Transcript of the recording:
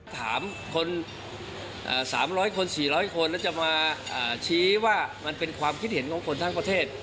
ถามคน๓๐๐คน๔๐๐คนแล้วจะมาชี้ว่ามันเป็นความคิดเห็นของคนทั้งประเทศ